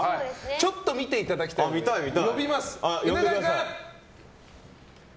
ちょっと見ていただきたいので呼びます。